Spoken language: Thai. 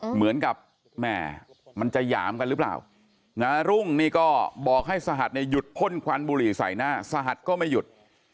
เหมือนกับแหม่มันจะหยามกันหรือเปล่านารุ่งนี่ก็บอกให้สหัสเนี่ยหยุดพ่นควันบุหรี่ใส่หน้าสหัสก็ไม่หยุด